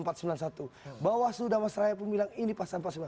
bawah seluruh damastraya pun bilang ini pasal empat ratus sembilan puluh satu